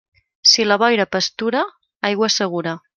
Si la boira pastura, aigua segura.